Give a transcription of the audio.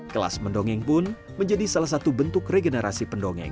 kelas mendongeng pun menjadi salah satu bentuk regenerasi pendongeng